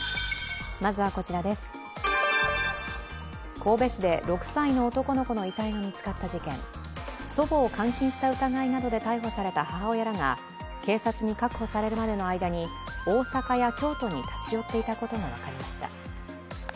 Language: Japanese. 神戸市で６歳の男の子の遺体が見つかった事件、祖母を監禁した疑いなどで逮捕された母親らが、警察に確保されるまでの間に大坂や京都に立ち寄っていたことが分かりました。